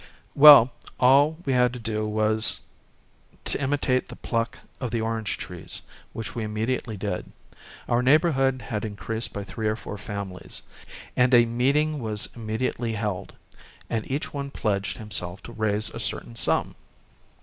Well, all we had to do was to imitate the pluck of the orange trees, which we immediately did. Our neighborhood had Hosted by Google 22 PALMETTO LEA VES. increased by three or four families ; and a meet ing was immediately held, and each one pledged himself to raise a certain sum.